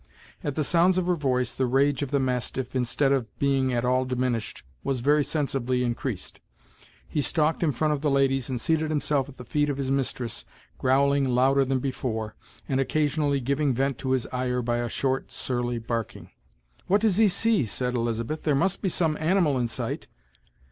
At the sounds of her voice, the rage of the mastiff, instead of being at all diminished, was very sensibly increased. He stalked in front of the ladies, and seated himself at the feet of his mistress, growling louder than before, and occasionally giving vent to his ire by a short, surly barking. "What does he see?" said Elizabeth; "there must be some animal in sight."